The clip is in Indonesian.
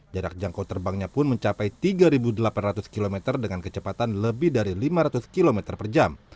jarak jangkau terbangnya pun mencapai tiga delapan ratus km dengan kecepatan lebih dari lima ratus km per jam